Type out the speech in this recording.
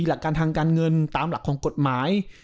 หลักการทางการเงินตามหลักของกฎหมาย